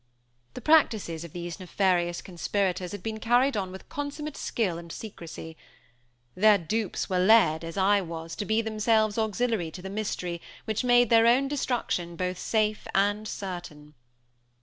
The practices of these nefarious conspirators had been carried on with consummate skill and secrecy. Their dupes were led, as I was, to be themselves auxiliary to the mystery which made their own destruction both safe and certain.